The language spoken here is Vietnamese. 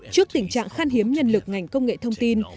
trước tình trạng khan hiếm nhân lực ngành công nghệ thông tin